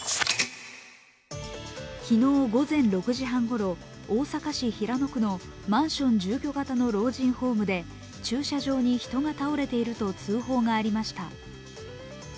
昨日午前６時半ごろ、大阪市平野区のマンション住居型の老人ホームで駐車場に人が倒れていると通報がありました。